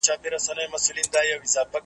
یو مُلا وو یوه ورځ سیند ته لوېدلی .